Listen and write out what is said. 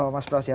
mas pras ya